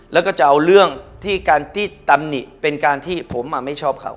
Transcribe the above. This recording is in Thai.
แล้วก็จะเอาเรื่องที่การที่ตำหนิเป็นการที่ผมไม่ชอบเขา